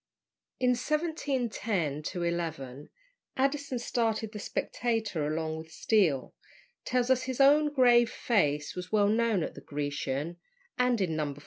In 1710 11 Addison, starting the "Spectator along with Steele," tells us his own grave face was well known at the Grecian; and in No.